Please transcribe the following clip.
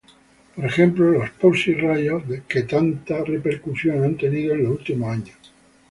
Por ejemplo las Pussy Riot, que tanta repercusión han tenido en los últimos años.